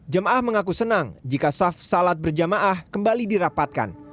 jamaah mengaku senang jika saf sholat berjamaah kembali dirapatkan